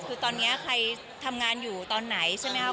คือตอนนี้ใครทำงานอยู่ตอนไหนใช่ไหมครับ